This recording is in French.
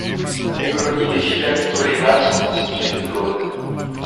Les colonies de Phylactolaemate sont constituées de clones.